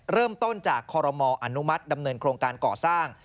เริ่มต้นจากคอรมออนุมัติดำเนินโครงการก่อสร้าง